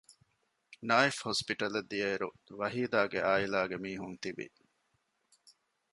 ނާއިފް ހޮސްޕިޓަލަށް ދިޔައިރު ވަހީދާގެ އާއިލާގެ މީހުން ތިވި